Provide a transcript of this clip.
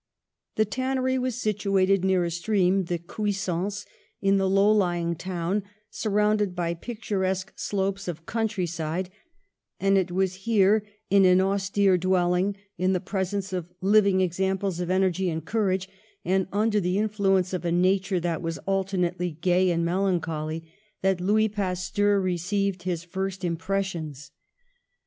The tan nery was situated near a stream, the Cuisance, in the low lying town, surrounded by pic turesque slopes of country side ; and it was here in an austere dwelling, in the presence of living examples of energy and courage, and under the influence of a nature that was alternately gay and melancholy, that Louis Pasteur received his first impressions.